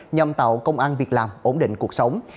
nhằm tạo công an việc làm ổn định cuộc sống